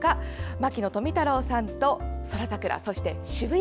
牧野富太郎さんと宇宙桜そして渋谷。